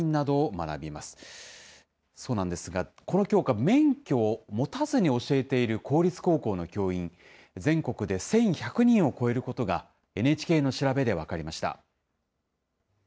そうなんですが、この教科、免許を持たずに教えている公立高校の教員、全国で１１００人を超えることが、ＮＨＫの調べで分かりました。